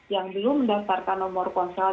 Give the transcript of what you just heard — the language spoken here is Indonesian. yang belum mendaftarkan nomor ponsel